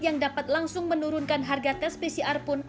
yang dapat langsung menurunkan harga tes pcr pun